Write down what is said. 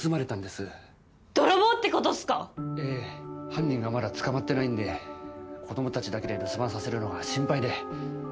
犯人がまだ捕まっていないんで子どもたちだけで留守番させるのが心配で。